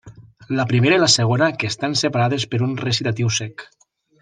La primera i la segona que estan separades per un recitatiu sec.